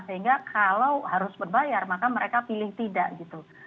sehingga kalau harus berbayar maka mereka pilih tidak gitu